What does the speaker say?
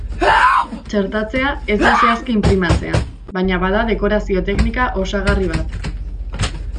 Txertatzea ez da zehazki inprimatzea, baina bada dekorazio-teknika osagarri bat.